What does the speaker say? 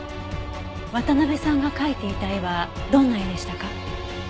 渡辺さんが描いていた絵はどんな絵でしたか？